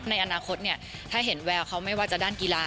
ในอนาคตเนี่ยถ้าเห็นแววเขาไม่ว่าจะด้านกีฬา